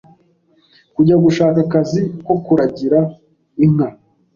kujya gushaka akazi ko kuragira inka